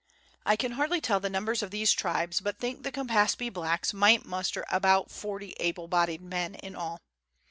I can hardly tell the numbers of these tribes, but think the Campaspe blacks might muster about 40 able bodied men in all.